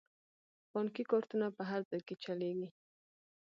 بانکي کارتونه په هر ځای کې چلیږي.